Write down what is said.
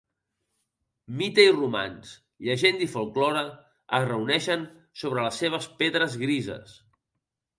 Mite i romanç, llegenda i folklore es reuneixen sobre les seves pedres grises.